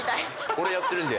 俺やってるんで。